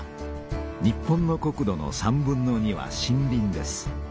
日本の国土の３分の２は森林です。